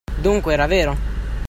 Dunque era vero!